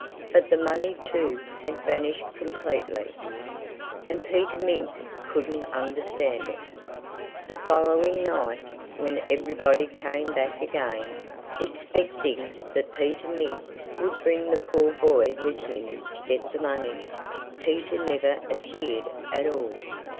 But the money, too, had vanished completely. And Peter Mink couldn't understand it. The following night, when everybody came back again, expecting that Peter Mink would bring the poor boy with him to get the money, Peter never appeared at all.